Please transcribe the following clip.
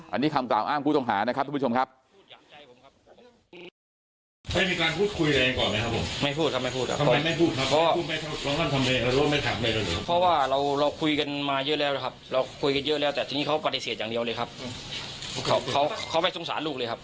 อันนี้คำกล่าวอ้างผู้ต้องหานะครับทุกผู้ชมครับ